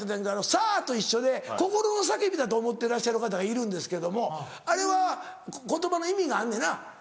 サー！と一緒で心の叫びだと思ってらっしゃる方がいるんですけどもあれは言葉の意味があんねんな？